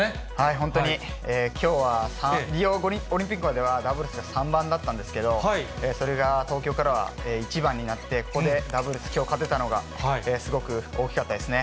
本当にきょうは、リオオリンピックまではダブルスで３番だったんですけど、それが東京からは１番になって、ここでダブルスきょう勝てたのが、すごく大きかったですね。